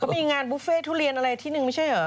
มีงานบุฟเฟ่ทุเรียนอะไรที่นึงไม่ใช่เหรอ